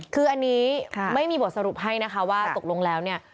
คืออันนี้ไม่มีบทสรุปให้นะคะว่าตกลงแล้วเนี่ย